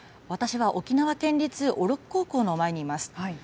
私は沖縄県立小禄高校の前にいます。